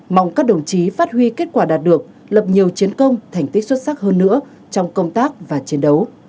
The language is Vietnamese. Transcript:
mong các đồng chí phát huy kết quả đạt được lập nhiều chiến công thành tích xuất sắc hơn nữa trong công tác và chiến đấu